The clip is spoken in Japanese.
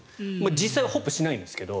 実際はホップしないんですが。